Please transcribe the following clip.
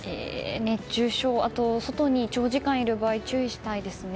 熱中症あと外に長時間いる場合注意したいですね。